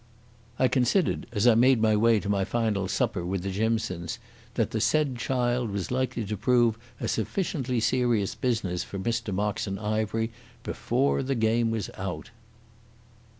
I considered, as I made my way to my final supper with the Jimsons, that the said child was likely to prove a sufficiently serious business for Mr Moxon Ivery before the game was out.